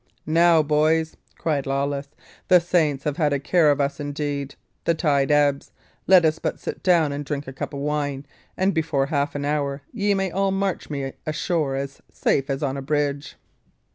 "Now, boys," cried Lawless, "the saints have had a care of us, indeed. The tide ebbs; let us but sit down and drink a cup of wine, and before half an hour ye may all march me ashore as safe as on a bridge."